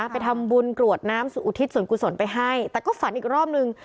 ไปทำบุญกรวดน้ำอุทิศส่วนกุศลไปให้แต่ก็ฝันอีกรอบนึง